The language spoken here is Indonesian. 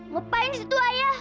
ngapain sih itu ayah